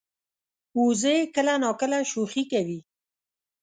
وزې کله ناکله شوخي کوي